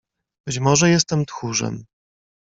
"Być może jestem tchórzem."